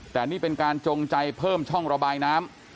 แต่นี่เป็นการจงใจเพิ่มช่องระบายน้ำ